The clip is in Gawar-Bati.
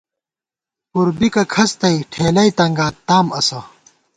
پُر بِکہ کھڅ تَئ ٹھېلَئ تنگات تام اسہ